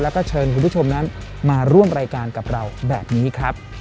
แล้วก็เชิญคุณผู้ชมนั้นมาร่วมรายการกับเราแบบนี้ครับ